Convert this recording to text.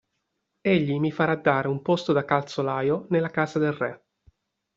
Egli mi farà dare un posto da calzolaio nella casa del re.